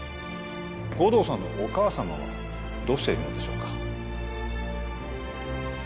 護道さんのお母様はどうしているのでしょうか？